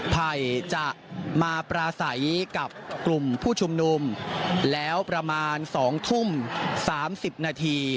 ภัยจะมาปราศัยกับกลุ่มผู้ชุมนุมแล้วประมาณ๒ทุ่ม๓๐นาที